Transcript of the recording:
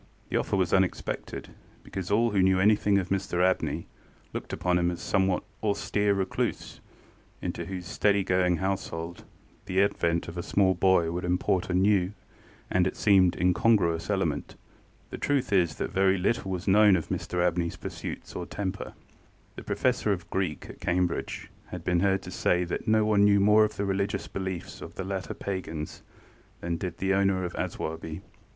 The offer was unexpected, because all who knew anything of Mr Abney looked upon him as a somewhat austere recluse, into whose steady going household the advent of a small boy would import a new and, it seemed, incongruous element. The truth is that very little was known of Mr AbneyŌĆÖs pursuits or temper. The Professor of Greek at Cambridge had been heard to say that no one knew more of the religious beliefs of the later pagans than did the owner of Aswarby.